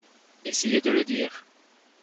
Essayez de le dire.